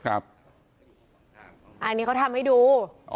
อันนี้เขาทำให้ดู